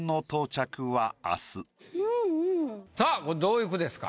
これどういう句ですか？